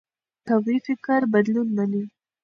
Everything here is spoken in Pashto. قوي فکر بدلون مني